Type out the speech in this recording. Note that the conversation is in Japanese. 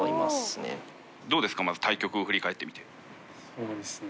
そうですね。